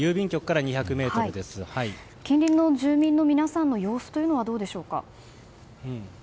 近隣の住民の皆さんの様子はどうでしょうか。